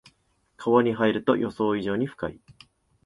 川に入ると予想以上に深い